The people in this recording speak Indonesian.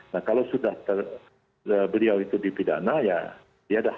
nah kalau sudah beliau itu dipidana ya dah